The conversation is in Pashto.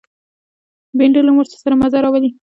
بېنډۍ له مرچو سره مزه راولي